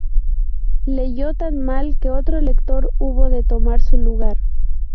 Leyó tan mal que otro lector hubo de tomar su lugar.